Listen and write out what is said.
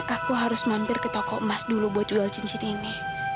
aku harus mampir ke toko emas dulu buat jual cincin ini